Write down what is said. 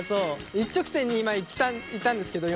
一直線に今いったんですけど４本。